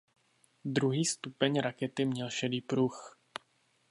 Druhý stupeň rakety měl šedý pruh.